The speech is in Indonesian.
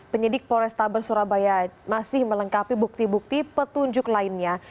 penyidik polrestabes surabaya masih melengkapi bukti bukti petunjuk lainnya